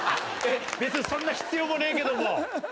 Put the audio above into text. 別にそんな必要もねえけども。